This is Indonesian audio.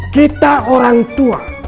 kita orang tua